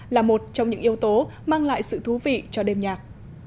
là một trong những yếu tố mang lại sự thú vị cho đêm nhạc